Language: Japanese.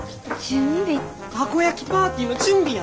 たこ焼きパーティーの準備や。